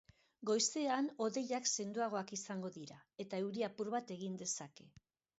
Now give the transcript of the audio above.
Goizean hodeiak sendoagoak izango dira eta euri apur bat egin dezake.